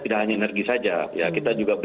tidak hanya energi saja ya kita juga